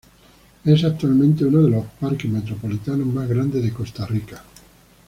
Es actualmente uno de los parques metropolitanos más grandes de Costa Rica.